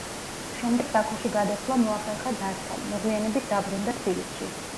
შემდეგ ბაქოში გადასვლა მოახერხა დასთან; მოგვიანებით დაბრუნდა თბილისში.